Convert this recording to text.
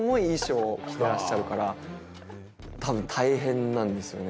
多分、大変なんですよね